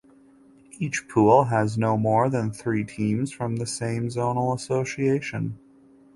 Each pool had no more than three teams from the same zonal association.